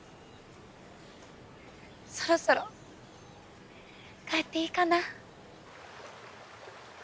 そろそろ帰っていいかな？